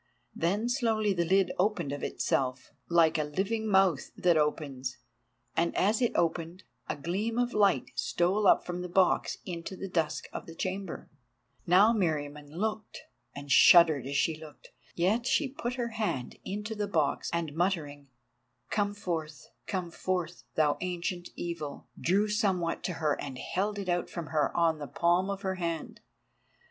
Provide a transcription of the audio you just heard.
Then slowly the lid opened of itself, like a living mouth that opens, and as it opened, a gleam of light stole up from the box into the dusk of the chamber. Now Meriamun looked, and shuddered as she looked. Yet she put her hand into the box, and muttering "Come forth—come forth, thou Ancient Evil," drew somewhat to her and held it out from her on the palm of her hand.